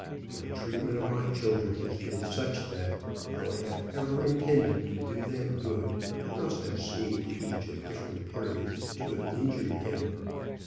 My treatment of my children has been such that, though I have ever intended to do them good, I must have seemed to each at different periods to have injured him.